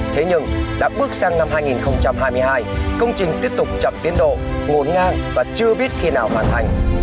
thế nhưng đã bước sang năm hai nghìn hai mươi hai công trình tiếp tục chậm tiến độ ngồn ngang và chưa biết khi nào hoàn thành